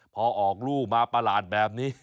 พอออกลูกมาประหลาดแบบนี้